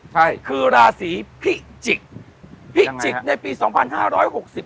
ใช่คือราศีพิจิกพิจิกในปีสองพันห้าร้อยหกสิบ